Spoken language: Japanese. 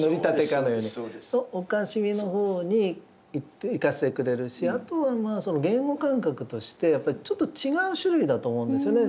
可笑しみの方にいかせてくれるしあとは言語感覚としてやっぱりちょっと違う種類だと思うんですよね。